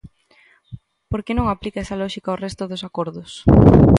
¿Por que non aplica esa lóxica ao resto dos acordos?